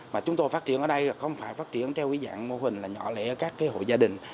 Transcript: mà chúng tôi phát triển ở đây không phải phát triển theo ý dạng mô hình nhỏ lẽ các hội gia đình